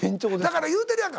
だから言うてるやんか。